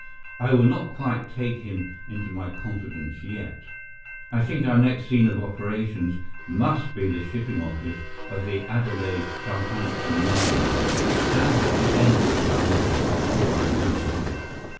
"I will not quite take him into my confidence yet. I think our next scene of operations must be the shipping office of the Adelaide Southampton line, which stands at the end of Pall Mall, if I remember right.